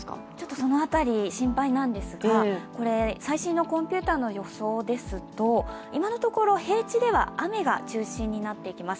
その辺り、心配なんですが、最新のコンピューターの予想ですと今のところ平地では雨が中心となってきます。